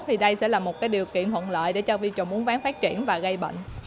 thì đây sẽ là một điều kiện thuận lợi để cho vi trùng uốn ván phát triển và gây bệnh